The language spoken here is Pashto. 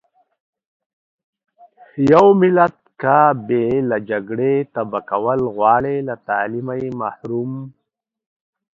يو ملت که بې له جګړې تبا کول غواړٸ له تعليمه يې محروم .